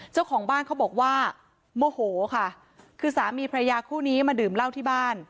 เจ้าของบ้านเขาบอกว่าโมโหค่ะคือสามีพระยาคู่นี้มาดื่มเหล้าที่บ้าน